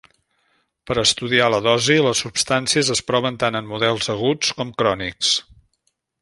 Per estudiar la dosi, les substàncies es proven tant en models aguts com crònics.